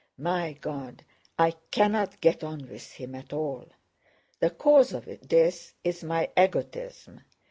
My God, I cannot get on with him at all. The cause of this is my egotism.